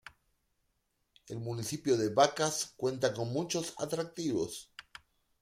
El municipio de Vacas cuenta con muchos atractivos.